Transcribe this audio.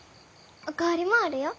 お代わりもあるよ。